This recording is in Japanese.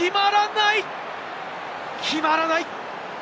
決まらない！